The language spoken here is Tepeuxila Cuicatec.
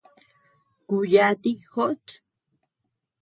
Kuu yati jót.